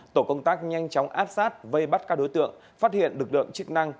tổ công tác nhanh chóng áp sát vây bắt các đối tượng phát hiện lực lượng chức năng